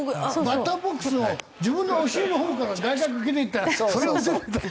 バッターボックスの自分のお尻のほうから外角抜けていったらそりゃ打てないだろ。